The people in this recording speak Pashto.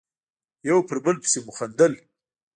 یو پر بل پسې مو خندل.